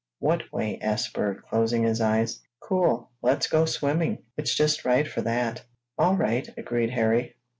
"What way?" asked Bert, closing his eyes. "Cool. Let's go swimming. It's just right for that!" "All right!" agreed Harry.